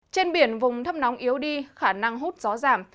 trên biển vùng thấp nóng yếu đi khả năng hút gió giảm